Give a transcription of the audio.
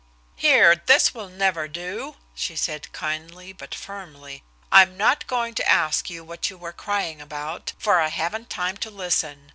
"Here, this will never do!" she said kindly, but firmly. "I'm not going to ask you what you were crying about, for I haven't time to listen.